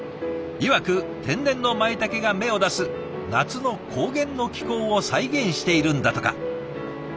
いわく天然のまいたけが芽を出す夏の高原の気候を再現しているんだとか。